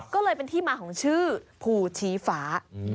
ก็เลยเป็นที่มาของชื่อภูชีฟ้า